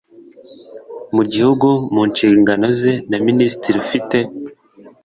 mu gihugu mu nshingano ze na minisitiri ufite